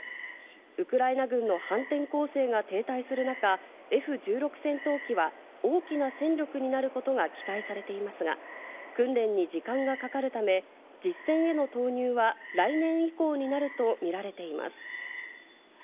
ウクライナ軍の反転攻勢が停滞する中、Ｆ１６戦闘機は大きな戦力になることが期待されていますが、訓練に時間がかかるため、実戦への投入は来年以降になると見られています。